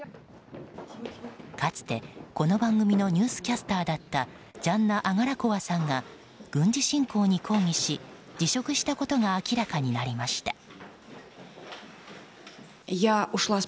かつて、この番組のニュースキャスターだったジャンナ・アガラコワさんが軍事侵攻に抗議し辞職したことが明らかになりました。